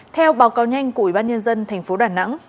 theo báo cáo nhanh của ủy ban nhân dân tp đà nẵng